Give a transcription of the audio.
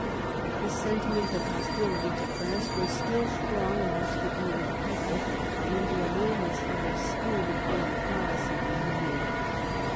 The sentiment of hostility to France was still strong amongst the English people, and the allurements of a spirited foreign policy were many.